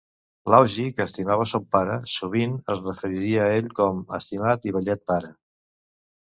L'Augie, que estimava son pare, sovint es referiria a ell com "estimat i vellet pare".